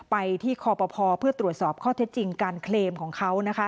ไปที่คอปภเพื่อตรวจสอบข้อเท็จจริงการเคลมของเขานะคะ